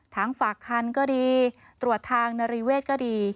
ฝากคันก็ดีตรวจทางนริเวศก็ดี